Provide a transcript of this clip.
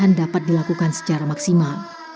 dan dapat dilakukan secara maksimal